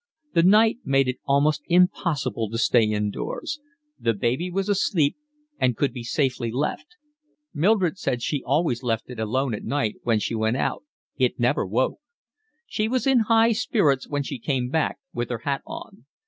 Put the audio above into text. The night made it almost impossible to stay indoors. The baby was asleep and could be safely left; Mildred said she had always left it alone at night when she went out; it never woke. She was in high spirits when she came back with her hat on.